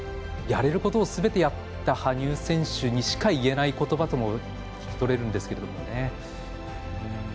やれることをすべてやった羽生選手にしか言えないことばとも聞き取れるんですけどね。